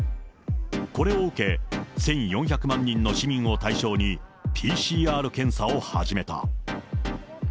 これを受け、１４００万人の市民を対象に、ＰＣＲ検査を始めた。